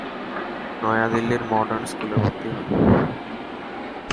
নয়াদিল্লির মডার্ন স্কুলে ভর্তি হন।